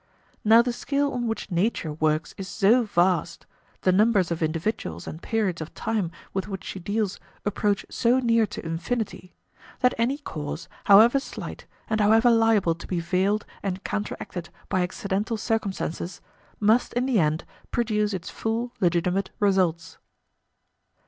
Now the scale on which nature works is so vast the numbers of individuals and periods of time with which she deals approach so near to infinity, that any cause, however slight, and however liable to be veiled and counteracted by accidental circumstances, must in the end produce its full legitimate results.